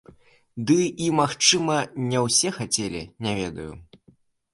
Ды і, магчыма, не ўсе хацелі, не ведаю.